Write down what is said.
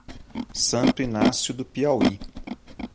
Santo Inácio do Piauí